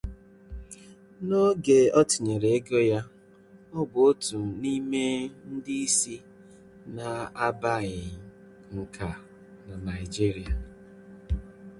N'oge o tinyere ego ya, ọ bụ otu n'ime ndị isi na-abeghị nka na Naijiria.